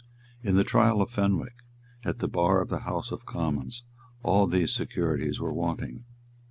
In the trial of Fenwick at the bar of the House of Commons all these securities were wanting.